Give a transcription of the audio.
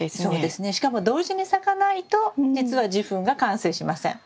しかも同時に咲かないとじつは受粉が完成しません。